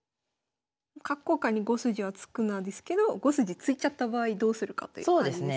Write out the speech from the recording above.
「角交換に５筋は突くな」ですけど５筋突いちゃった場合どうするかという感じですね。